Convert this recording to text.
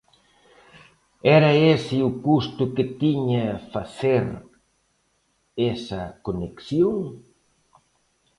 ¿Era ese o custo que tiña facer esa conexión?